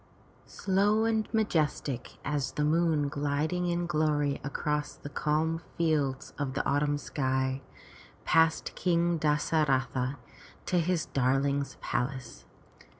Slow and majestic as the moon gliding in glory across the calm fields of the autumn sky, passed King Das a ra'tha to his darling's palace.